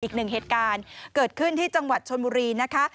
อีกหนึ่งเหตุการณ์เกิดขึ้นที่จังหวัดชนบุรีนะคะ